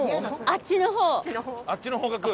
あっちの方角？